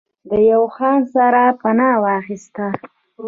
د يو خان سره پناه واخسته